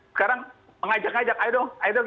sekarang mengajak ajak ayo dong ayo dong